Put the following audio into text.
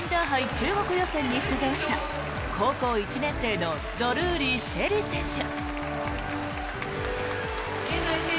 中国予選に出場した高校１年生のドルーリー朱瑛里選手。